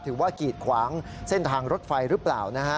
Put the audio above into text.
ถือว่ากีดขวางเส้นทางรถไฟหรือเปล่า